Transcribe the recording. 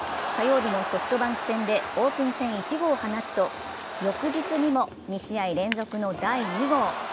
火曜日のソフトバンク線でオープン戦１号を放つと翌日にも２試合連続の第２号。